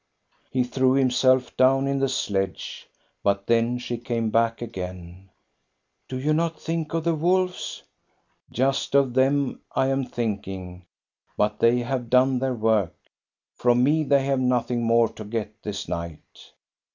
He threw himself down in the sledge, but then she came back again. " Do you not think of the wolves? "" Just of them I am thinking, but they have done 78 THE STORY OF GO ST A BE RUNG their work. From me they have nothing more to get this night."